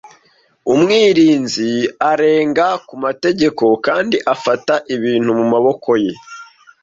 Umwirinzi arenga ku mategeko kandi afata ibintu mu maboko ye.